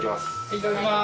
いただきます。